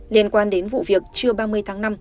liên quan đến vụ việc trưa ba mươi tháng năm